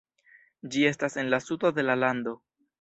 Ĝi estas en la sudo de la lando.